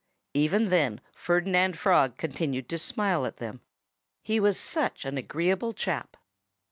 Even then Ferdinand Frog continued to smile at them. He was such an agreeable chap!